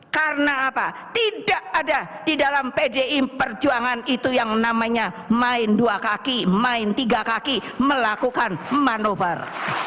karena apa tidak ada di dalam pdi perjuangan itu yang namanya main dua kaki main tiga kaki melakukan manuver